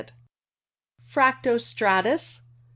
Fracto stratus.